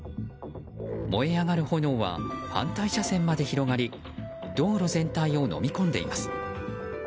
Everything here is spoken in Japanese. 燃え上がる炎は反対車線まで広がり道路全体をのみ込んでいます。